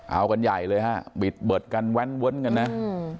เอากันใหญ่เลยฮะบิดเบิดกันแว้นเว้นกันนะอืม